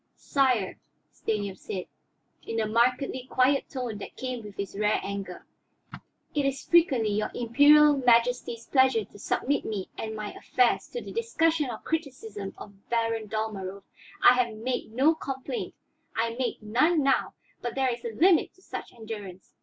"Sire," Stanief said, in the markedly quiet tone that came with his rare anger, "it is frequently your Imperial Majesty's pleasure to submit me and my affairs to the discussion or criticism of Baron Dalmorov. I have made no complaint, I make none now, but there is a limit to such endurance.